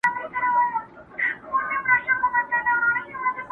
څوټپې نمکیني څو غزل خواږه خواږه لرم.